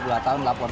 dua tahun lapor